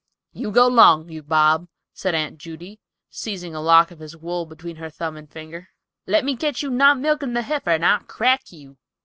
"You go long, you Bob," said Aunt Judy, seizing a lock of his wool between her thumb and finger, "let me catch you not milking the heifer, and I'll crack you."